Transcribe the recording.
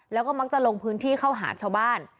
แล้วก็มักจะลงพื้นที่เข้าหาชาวบ้าน